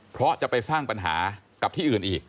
เพราะจะไปสร้างปัญหากับที่อื่นอีก